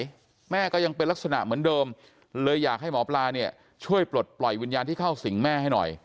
แม่ก็ยังเป็นลักษณะเหมือนเดิมเลยอยากให้หมอปลาเนี่ยช่วยปลดปล่อยวิญญาณที่เข้าสิงแม่ให้หน่อย